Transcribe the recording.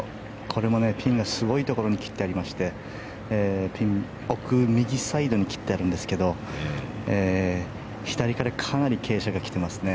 これもピンがすごいところに切ってありましてピン奥右サイドに切ってあるんですけど左からかなり傾斜が来てますね。